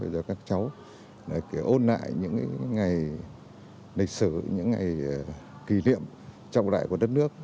cho các cháu để ôn lại những ngày lịch sử những ngày kỷ niệm trong đại của đất nước